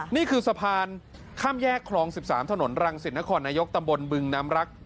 นี่คือสะพานข้ามแยกคลอง๑๓ถนนรังสิตนครนายกตำบลบึงน้ำรัก